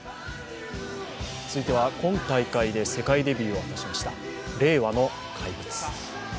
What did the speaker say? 続いては今大会で世界デビューを果たしました令和の怪物。